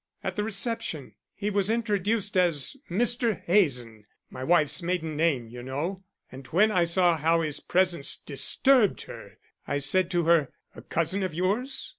"At the reception. He was introduced as Mr. Hazen (my wife's maiden name, you know), and when I saw how his presence disturbed her, I said to her, 'A cousin of yours?'